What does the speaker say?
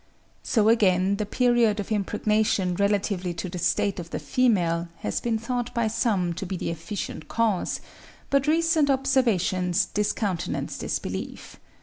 So again the period of impregnation relatively to the state of the female has been thought by some to be the efficient cause; but recent observations discountenance this belief.